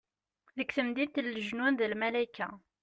Deg temdint n lejnun d lmalayka.